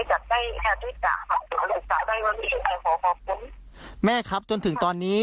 นักหนาว่าที่ต่อไปลูกสาวแล้วคงไม่ได้เจออันนี้